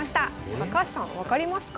高橋さん分かりますか？